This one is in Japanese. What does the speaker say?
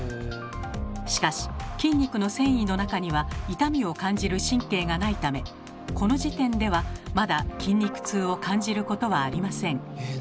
しかし筋肉の線維の中には痛みを感じる神経がないためこの時点ではまだ筋肉痛を感じることはありません。